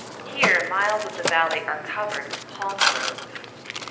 Here miles of the valley are covered with palm groves.